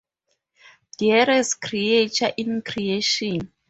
Dearest creature in Creation